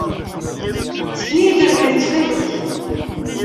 Ssken-iyi-d abrid ttxil-k.